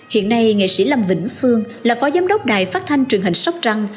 hiện nay nghệ sĩ lâm vĩnh phương là phó giám đốc đài phát thanh truyền hình sóc trăng